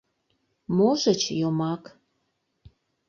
Можыч, йомак